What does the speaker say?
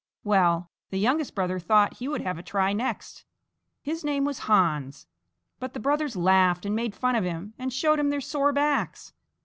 Well, the youngest brother thought he would have a try next. His name was Hans. But the brothers laughed and made fun of him, and showed him their sore backs.